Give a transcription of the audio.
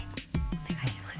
お願いします。